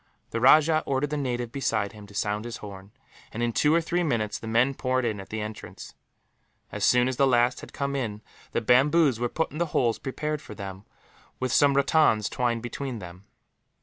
The rajah ordered the native beside him to sound his horn and, in two or three minutes, the men poured in at the entrance. As soon as the last had come in, the bamboos were put in the holes prepared for them, with some rattans twined between them.